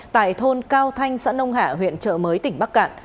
tại thôn cao thanh xã nông hạ huyện trợ mới tỉnh bắc cạn